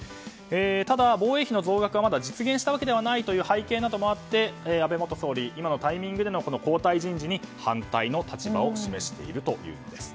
ただ、防衛費の増額はまだ実現したわけではない背景もあって安倍元総理、今のタイミングでの交代人事に反対の立場を示しているというんです。